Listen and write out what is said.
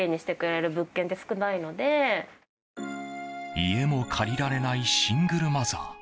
家も借りられないシングルマザー。